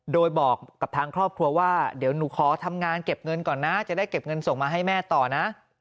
โดยบอกกับทางครอบครัวว่าเดี๋ยวหนูขอทำงานเก็บเงินก่อนนะจะได้เก็บเงินส่งมาให้แม่ต่อนะ